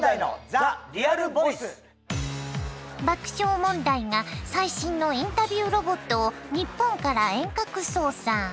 爆笑問題が最新のインタビューロボットを日本から遠隔操作。